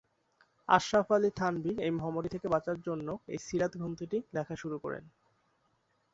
আশরাফ আলী থানভী এই মহামারী থেকে বাঁচার জন্য এই সীরাত গ্রন্থটি লেখা শুরু করেন।